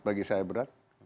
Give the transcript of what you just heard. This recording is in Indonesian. bagi saya berat